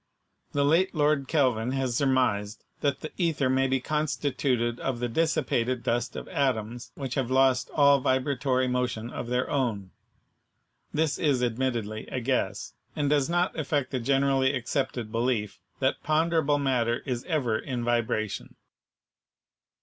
The late Lord Kelvin has surmised that the ether may be constituted of the dissipated dust of atoms which have lost all vibratory motion of their own. This is admittedly a guess, and does not affect the generally accepted belief that ponderable matter is ever in vibration.